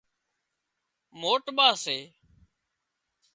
موٽ ٻا سي